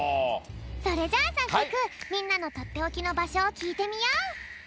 それじゃあさっそくみんなのとっておきのばしょをきいてみよう！